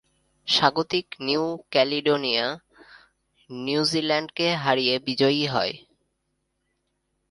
স্বাগতিক New Caledonia নিউজিল্যান্ডকে হারিয়ে বিজয়ী হয়।